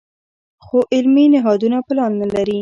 خو علمي نهادونه پلان نه لري.